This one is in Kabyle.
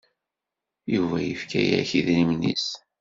Yuba yefka akk idrimen-is.